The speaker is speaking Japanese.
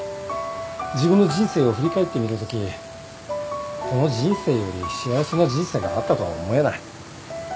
自分の人生を振り返ってみたときこの人生より幸せな人生があったとは思えない。